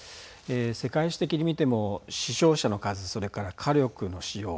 世界史的に見ても死傷者の数、それから火力の使用